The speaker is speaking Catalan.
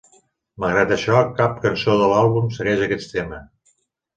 Malgrat això, cap cançó de l'àlbum segueix aquest tema.